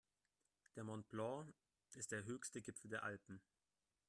Der Mont Blanc ist der höchste Gipfel der Alpen.